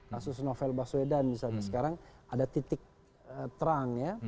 kasus novel baswedan misalnya sekarang ada titik terang ya